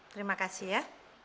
terima kasih ya